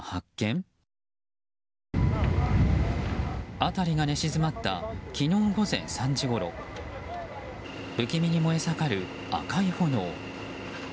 辺りが寝静まった昨日午前３時ごろ不気味に燃え盛る赤い炎。